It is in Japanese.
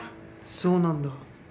そうなんだ。